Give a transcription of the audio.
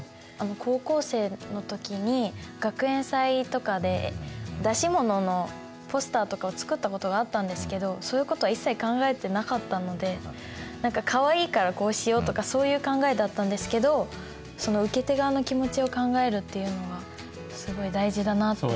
高校生の時に学園祭とかで出し物のポスターとかを作ったことがあったんですけどそういうことは一切考えてなかったので何かかわいいからこうしようとかそういう考えだったんですけど受け手側の気持ちを考えるっていうのはすごい大事だなって気付きました。